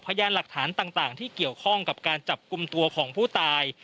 พยานหลักฐานต่างที่เกี่ยวข้องกับการจับกลุ่มตัวของผู้ตาย